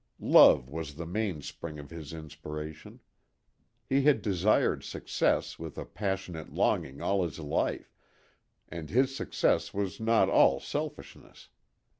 Love was the main spring of his inspiration. He had desired success with a passionate longing all his life, and his success was not all selfishness.